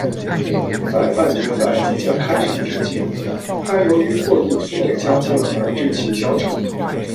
在半决赛即将开始之即，她由于过度思念家乡而志气低沉。